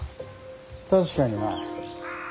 確かにな。